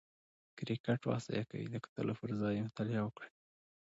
کرکټ وخت ضایع کوي، د کتلو پر ځای یې مطالعه وکړئ!